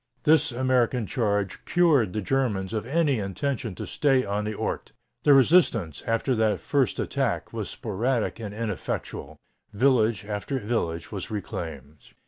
This American charge cured the Germans of any intention to stay on the Ourcq. The resistance, after that first attack, was sporadic and ineffectual. Village after village was reclaimed.